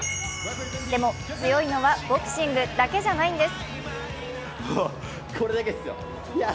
でも、強いのはボクシングだけじゃないんです。